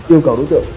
yêu cầu đối tượng